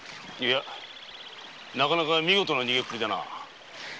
いやなかなか見事な逃げっぷりだな。